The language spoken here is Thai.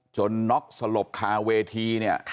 น็อกสลบคาเวทีเนี่ย